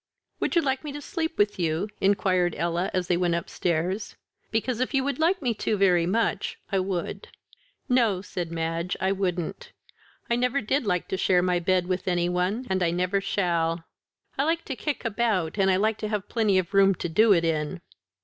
"Would you like me to sleep with you," inquired Ella as they went upstairs; "because if you would like me to very much, I would." "No," said Madge, "I wouldn't. I never did like to share my bed with any one, and I never shall. I like to kick about, and I like to have plenty of room to do it in."